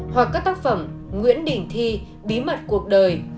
hoặc các tác phẩm nguyễn đình thi bí mật cuộc đời